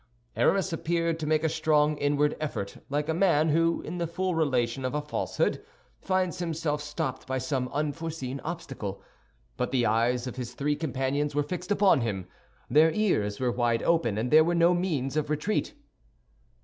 Aramis appeared to make a strong inward effort, like a man who, in the full relation of a falsehood, finds himself stopped by some unforeseen obstacle; but the eyes of his three companions were fixed upon him, their ears were wide open, and there were no means of retreat.